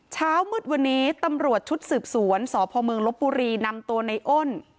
เช้ามืดวันนี้ตำรวจชุดสืบสวนสพเมืองลบบุรีนำตัวในอ้น